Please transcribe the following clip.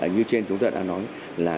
như trên chúng ta đã nói là